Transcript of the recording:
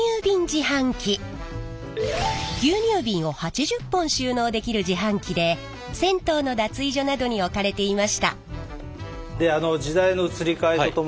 牛乳ビンを８０本収納できる自販機で銭湯の脱衣所などに置かれていました。